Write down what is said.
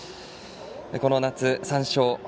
この夏、３勝。